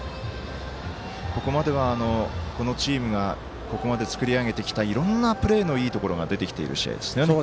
ここまでは、このチームがここまで作り上げてきたいろんなプレーのいいところが出てきている試合ですね。